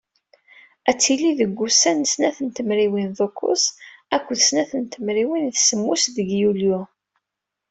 Ad d-tili deg ussan, n snat tmerwin d ukkuẓ akked snat tmerwin d semmus deg yulyu.